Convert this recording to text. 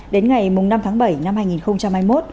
đến ngày năm tháng bảy năm hai nghìn hai mươi một